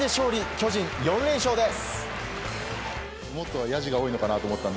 巨人４連勝です。